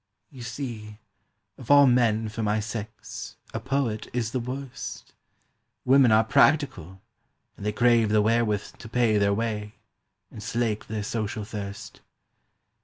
"You see, of all men for my sex A poet is the worst; Women are practical, and they Crave the wherewith to pay their way, And slake their social thirst.